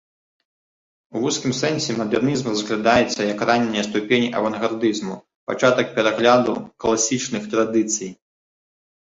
У вузкім сэнсе мадэрнізм разглядаецца як ранняя ступень авангардызму, пачатак перагляду класічных традыцый.